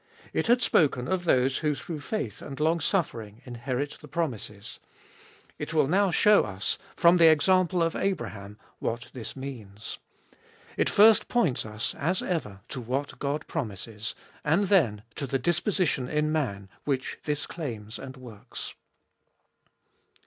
It had spoken of those who through faith and longsuffering inherit the promises. It will now show us, 1 Suffered long. 216 Gbe Dolfest of 21U from the example of Abraham, what this means. It first points us, as ever, to what God promises, and then to the disposition in man which this claims and works.